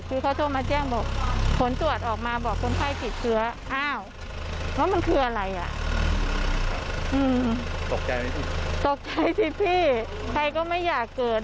ตกใจสิพี่ใครก็ไม่อยากเกิด